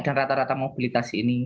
dan rata rata mobilitasi ini